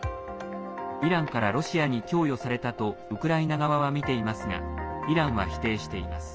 イランからロシアに供与されたとウクライナ側はみていますがイランは否定しています。